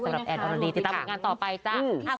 สำหรับแอนตลอดีติดตามงานต่อไปจ้ะ